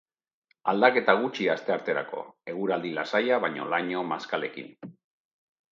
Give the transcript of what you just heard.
Aldaketa gutxi astearterako, eguraldi lasaia baina laino maskalekin.